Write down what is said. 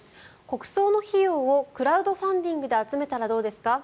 国葬の費用をクラウドファンディングで集めたらどうですか？